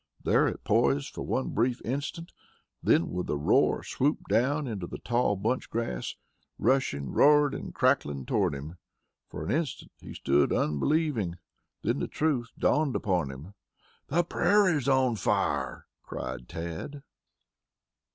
There it poised for one brief instant, then, with a roar swooped down into the tall bunch grass, rushing roaring and crackling toward him. For an instant he stood unbelieving, then the truth dawned upon him. "The prairie's on fire!" cried Tad.